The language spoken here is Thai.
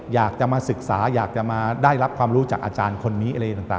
อยากจะมาศึกษาอยากจะมาได้รับความรู้จากอาจารย์คนนี้อะไรต่าง